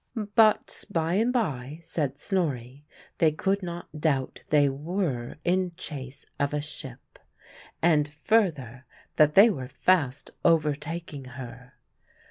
But by and by, said Snorri, they could not doubt they were in chase of a ship, and, further, that they were fast overtaking her.